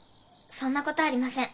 そんなことありません。